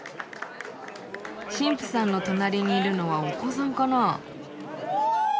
新婦さんの隣にいるのはお子さんかな？